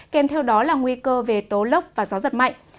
kèm theo đó là nguy cơ về tố lốc và gió giật mạnh